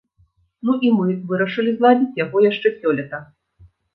Ну і мы вырашылі зладзіць яго яшчэ сёлета.